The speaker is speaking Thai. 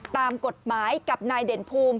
ตามกฎหมายกับนายเด่นภูมิ